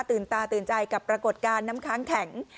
ตาตื่นใจกับปรากฏการณ์น้ำค้างแข็ง